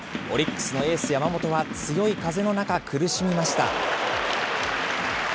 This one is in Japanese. オリックスのエース、山本は強い風の中、苦しみました。